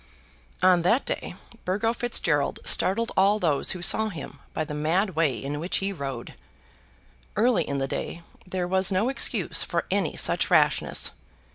On that day Burgo Fitzgerald startled all those who saw him by the mad way in which he rode. Early in the day there was no excuse for any such rashness.